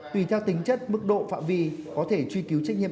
tùy theo tính chất mức độ phạm vi có thể truy cứu trách nhiệm